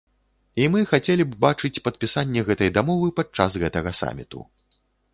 І мы хацелі б бачыць падпісанне гэтай дамовы падчас гэтага саміту.